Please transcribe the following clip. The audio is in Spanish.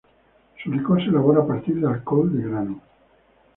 Su licor se elabora a partir de alcohol de grano.